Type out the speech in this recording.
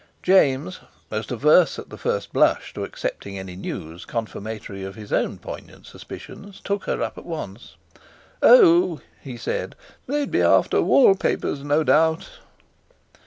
James, most averse at the first blush to accepting any news confirmatory of his own poignant suspicions, took her up at once. "Oh" he said, "they'd be after wall papers no doubt."